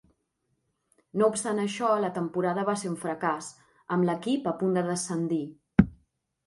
No obstant això la temporada va ser un fracàs, amb l'equip a punt de descendir.